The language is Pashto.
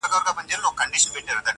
نو دغه نوري شپې بيا څه وكړمه.